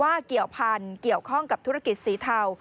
เกี่ยวพันธุ์เกี่ยวข้องกับธุรกิจสีเทา